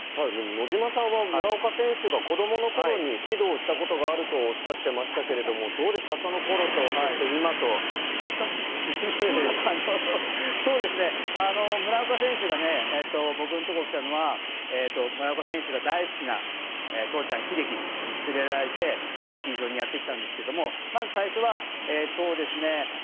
野島さんは村岡選手が子どものころに指導したことがあるとおっしゃっていましたけれどもどうですかそうですね村岡選手が僕のところ来たのは村岡選手が大好きな父ちゃん秀樹に連れられてスキー場にやってきたんですけどまず最初はそうですね